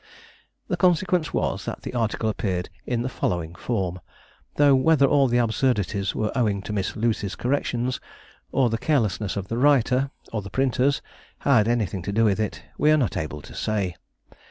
The consequence was that the article appeared in the following form, though whether all the absurdities were owing to Miss Lucy's corrections, or the carelessness of the writer, or the printers, had anything to do with it, we are not able to say.